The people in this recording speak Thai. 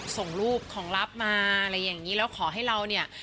ส่งรูปของลับมาอะไรอย่างนี้แล้วขอให้เราเนี่ย